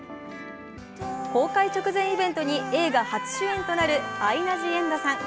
公開直前イベントに映画初主演となるアイナ・ジ・エンドさん